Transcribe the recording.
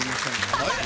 あれ？